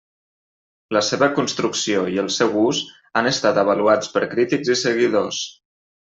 La seva construcció i el seu ús han estat avaluats per crítics i seguidors.